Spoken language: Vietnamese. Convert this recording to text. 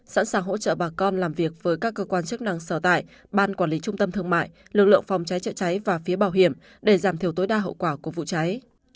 sẵn sàng hỗ trợ bà con làm việc với các cơ quan chức năng sở tại ban quản lý trung tâm thương mại lực lượng phòng cháy chữa cháy và phía bảo hiểm để giảm thiểu tối đa hậu quả của vụ cháy